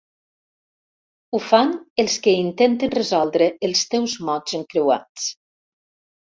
Ho fan els que intenten resoldre els teus mots encreuats.